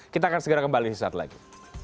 kita akan segera kembali suatu saat lagi